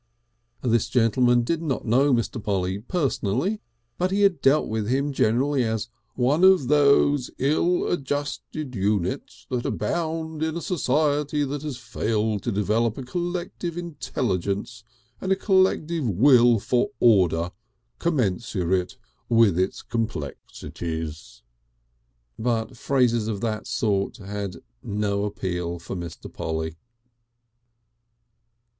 This gentleman did not know Mr. Polly personally, but he had dealt with him generally as "one of those ill adjusted units that abound in a society that has failed to develop a collective intelligence and a collective will for order, commensurate with its complexities." But phrases of that sort had no appeal for Mr. Polly.